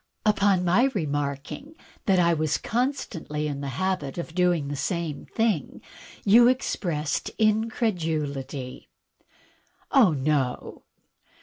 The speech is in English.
On my remarking that I was constantly in the habit of doing the same thing you expressed incredulity." "Oh, no!"